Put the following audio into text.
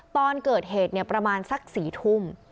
ตอนเกิดเหตุประมาณสัก๔ทุ่ม